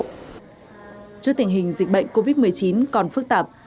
trước tình hình dịch bệnh covid một mươi chín còn phức tạp